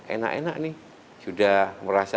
enak enak nih sudah merasa